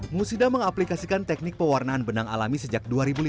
musida mengaplikasikan teknik pewarnaan benang alami sejak dua ribu lima belas